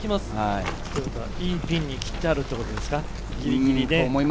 いいピンに切ってあるということですか？